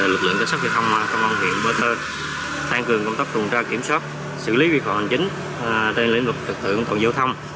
lực lượng công an các xã huyện thành phố có mặt tuần tra kiểm soát xử lý vi khỏe hành chính trên lĩnh vực trật tự an toàn giao thông